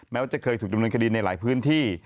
แม้ว่าจะเคยถูกดำเนินคดีในหลายพื้นที่